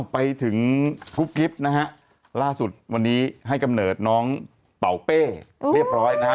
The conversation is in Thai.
ไปถึงกุ๊บกิ๊บนะฮะล่าสุดวันนี้ให้กำเนิดน้องเป่าเป้เรียบร้อยนะฮะ